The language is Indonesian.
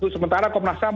sementara komnas ham